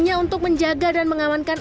ini adalah kontroversi yang sangat penting